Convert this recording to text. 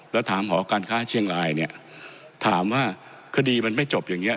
แล้วถามหอการค้าเชียงรายเนี่ยถามว่าคดีมันไม่จบอย่างเงี้